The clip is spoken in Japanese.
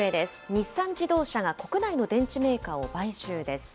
日産自動車が国内の電池メーカーを買収です。